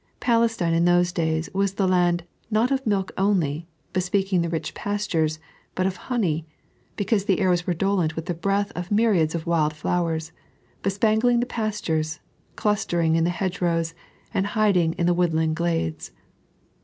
Palestine in those days was the land, not of milk only, beq)eaking the rich pastures, but of honey, because the air was redolent with the breath of myriads of wild fioweis, bespangling the pastures, clus tering in the hedgerows, and biding in the woodland glades.